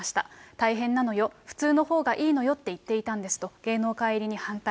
大変なのよ、普通のほうがいいのよと言っていたんですと、芸能界入りに反対。